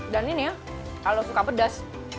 dan ini ya kalau suka pedas